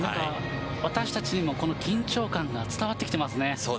私たちにもこの緊張感が伝わってきていますね。